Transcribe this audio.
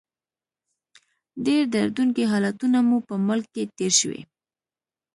ډېر دردونکي حالتونه مو په ملک کې تېر شوي.